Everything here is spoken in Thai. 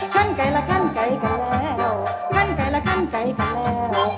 ไกลละขั้นไกลกันแล้วท่านไกลละขั้นไกลกันแล้ว